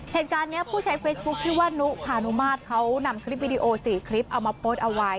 เหตุการณ์นี้ผู้ใช้เฟซบุ๊คชื่อว่านุพานุมาตรเขานำคลิปวิดีโอ๔คลิปเอามาโพสต์เอาไว้